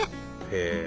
へえ！